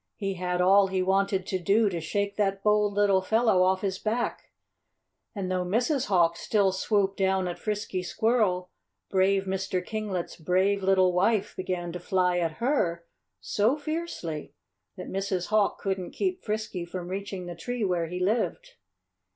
He had all he wanted to do to shake that bold little fellow off his back. And though Mrs. Hawk still swooped down at Frisky Squirrel, brave Mr. Kinglet's brave little wife began to fly at her so fiercely that Mrs. Hawk couldn't keep Frisky from reaching the tree where he lived.